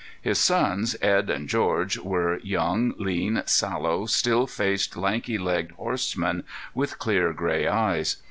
His sons, Edd and George, were young, lean, sallow, still faced, lanky legged horsemen with clear gray eyes.